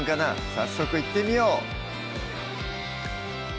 早速いってみよう